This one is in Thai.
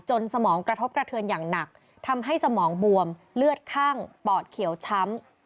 สมองกระทบกระเทือนอย่างหนักทำให้สมองบวมเลือดข้างปอดเขียวช้ำ